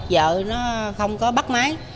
vợ nó không có bắt máy